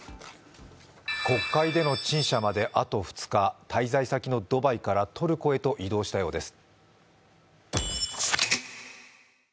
国会での陳謝まであと２日滞在先のドバイからトルコへと移動したようです。